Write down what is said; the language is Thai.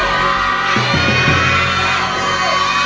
แสดงว่าเนื้อเพลงที่คุณหนุ่ยร้องไปทั้งหมด